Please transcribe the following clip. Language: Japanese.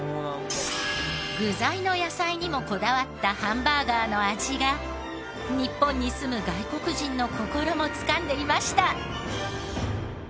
具材の野菜にもこだわったハンバーガーの味が日本に住む外国人の心もつかんでいました。